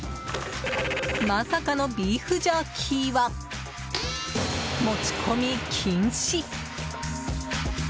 まさかのビーフジャーキーは持ち込み禁止。